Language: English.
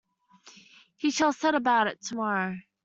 He shall set about it tomorrow.